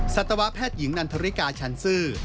สัตวแพทย์หญิงนันทริกาชันซื่อ